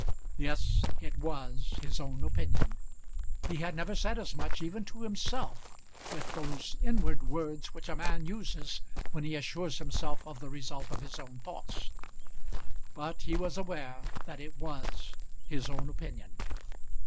Yes; it was his own opinion. He had never said as much, even to himself, with those inward words which a man uses when he assures himself of the result of his own thoughts; but he was aware that it was his own opinion.